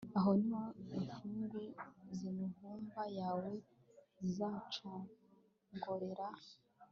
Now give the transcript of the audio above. aha ni ho ingufu z'imivumba yawe zizacogorera